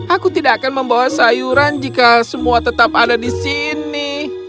aku tidak akan membawa sayuran jika semua tetap ada di sini